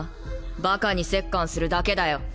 ばかに折檻するだけだよ。